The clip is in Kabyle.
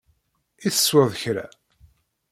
I tesweḍ kra?